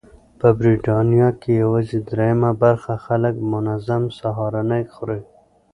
په بریتانیا کې یوازې درېیمه برخه خلک منظم سهارنۍ خوري.